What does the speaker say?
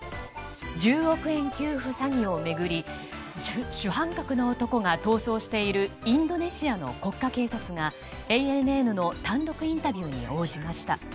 １０億円給付詐欺を巡り主犯格の男が逃走しているインドネシアの国家警察がＡＮＮの単独インタビューに応じました。